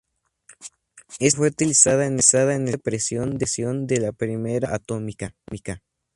Esta gema fue utilizada en el sensor de presión de la primera bomba atómica.